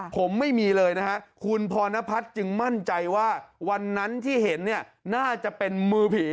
ผมไม่มีเลยนะฮะคุณพรณพัฒน์จึงมั่นใจว่าวันนั้นที่เห็นเนี่ยน่าจะเป็นมือผี